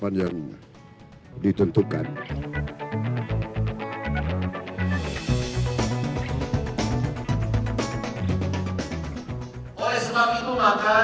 saya hanya berharap untuk mencapai sasaran dan harapan harapan yang ditentukan